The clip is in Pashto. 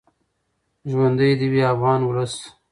ژوندی دې وي افغان ولس.